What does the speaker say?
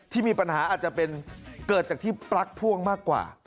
ที่มีปัญหาอาจจะเป็นเกิดจากที่ปลั๊กพ่วงมากกว่า